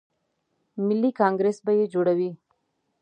ملي کانګریس به یې جوړوي.